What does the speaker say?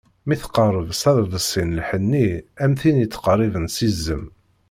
Mi tqerreb s aḍebsi n lḥenni am tin yettqerriben s izem.